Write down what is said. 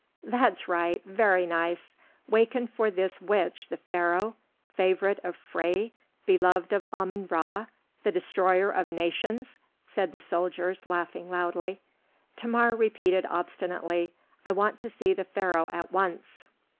"That's right, very nice! Waken for this witch the Pharaoh, favourite of Phré, beloved of Ammon Ra, the destroyer of nations!" said the soldiers, laughing loudly. Thamar repeated obstinately, "I want to see the Pharaoh at once."